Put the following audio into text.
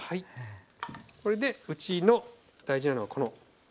これでうちの大事なのはこのごまです。